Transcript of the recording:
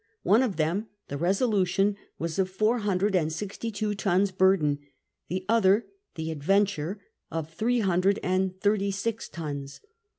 One of them, the Besoluiion, was of four hundred and sixty two tons burden ; the other, the Adverdurey of throe hundred and thirty six tons.